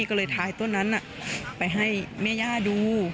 ก็เลยทายต้นนั้นไปให้แม่ย่าดู